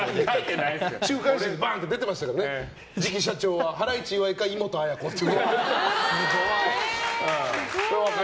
週刊誌にバンと出てました次期社長はハライチ岩井かイモトアヤコって。